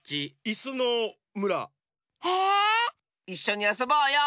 いっしょにあそぼうよ。